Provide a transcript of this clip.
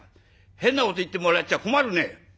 変なこと言ってもらっちゃ困るね！」。